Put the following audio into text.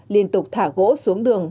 liên tục thả gỗ xuống đường